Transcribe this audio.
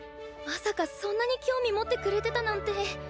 まさかそんなに興味持ってくれてたなんて。